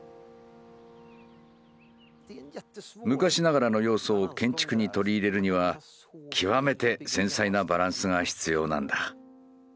昔ながらの要素を建築に取り入れるには極めて繊細なバランスが必要なんだ。